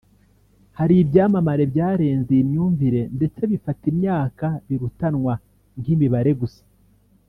Hari ibyamamare byarenze iyi myumvire ndetse bifata imyaka birutanwa nk’imibare gusa